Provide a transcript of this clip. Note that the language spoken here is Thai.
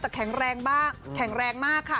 แต่แข็งแรงมากค่ะ